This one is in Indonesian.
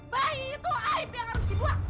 bayi itu aib yang harus dibuang